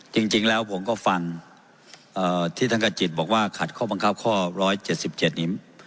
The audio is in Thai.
จริงแล้วผมก็ฟังที่ท่านกระจิตบอกว่าขัดข้อบังคับข้อ๑๗๗นิ้ว